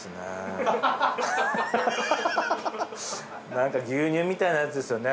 なんか牛乳みたいなやつですよね。